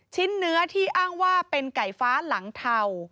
ชิ้นเนื้อที่อ้างว่าเป็นไก่ฟ้าหลังเทา